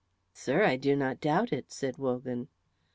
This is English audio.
"Sir, I do not doubt it," said Wogan.